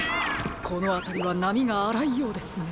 このあたりはなみがあらいようですね。